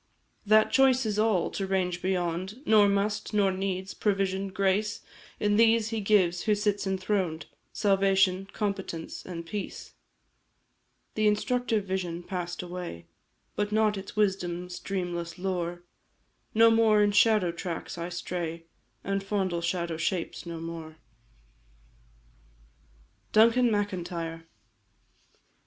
"That choice is all to range beyond Nor must, nor needs; provision, grace, In these He gives, who sits enthroned, Salvation, competence, and peace." The instructive vision pass'd away, But not its wisdom's dreamless lore; No more in shadow tracks I stray, And fondle shadow shapes no more. Orig. The venomous red spider. DUNCAN MACINTYRE.